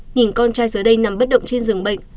nhìn con trai giờ đây nằm bất động trên rừng bệnh